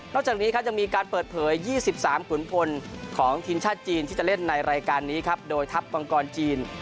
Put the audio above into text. จากนี้ครับยังมีการเปิดเผย๒๓ขุนพลของทีมชาติจีนที่จะเล่นในรายการนี้ครับโดยทัพมังกรจีน